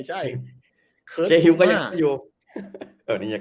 เจฮิลล์ก็ยังเล่นอยู่